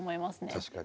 確かに。